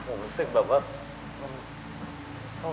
ผมรู้สึกแบบว่า